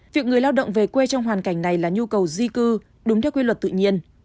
việc người lao động về quê trong hoàn cảnh này là nhu cầu di cư đúng theo quy luật tự nhiên